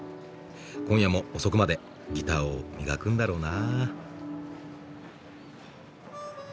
今夜も遅くまでギターを磨くんだろうな。